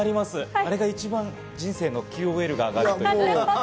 あれが一番人生のＱＯＬが上がります。